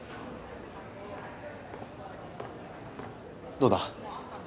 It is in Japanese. どうだ？